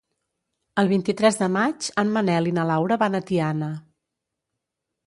El vint-i-tres de maig en Manel i na Laura van a Tiana.